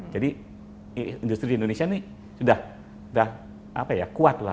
jadi industri di indonesia ini sudah kuat